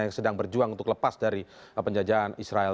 yang sedang berjuang untuk lepas dari penjajahan israel